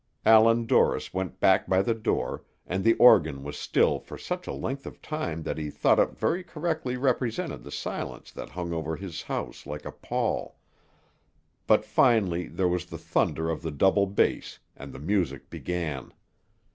Allan Dorris went back by the door, and the organ was still for such a length of time that he thought it very correctly represented the silence that hung over his house like a pall; but finally there was the thunder of the double bass, and the music began.